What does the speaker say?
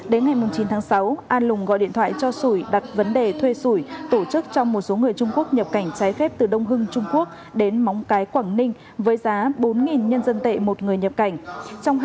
đến ngày chín tháng sáu an lùng gọi điện thoại cho sủi đặt vấn đề thuê sủi tổ chức cho một số người trung quốc nhập cảnh trái phép từ đông hưng trung quốc đến móng cái quảng ninh với giá bốn nhân dân tệ một người nhập cảnh